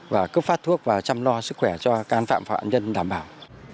và cấp phát thuốc và chăm lo sức khỏe cho can phạm phạm nhân đảm bảo